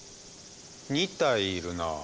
２体いるな。